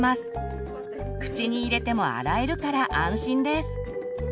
口に入れても洗えるから安心です。